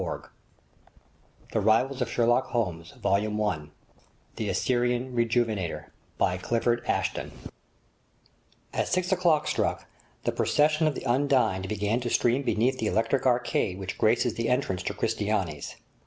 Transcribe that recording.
au GO TO Project Gutenberg of Australia HOME PAGE The Assyrian Rejuvenator by Clifford Ashdown As six o'clock struck the procession of the un dined began to stream beneath the electric arcade which graces the entrance to Cristiani's.